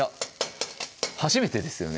初めてですよね